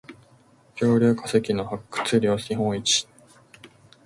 恐竜化石の発掘量日本一